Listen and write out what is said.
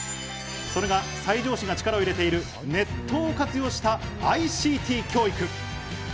それが西条市が力を入れているネットを活用したＩＣＴ教育。